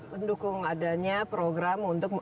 mendukung adanya program untuk